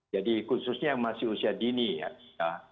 jadi khususnya yang masih usia dini ya